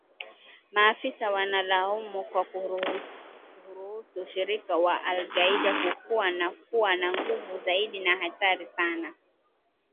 maafisa wanalaumu kwa kuruhusu ushirika wa al Qaida kukua na kuwa na nguvu zaidi na hatari sana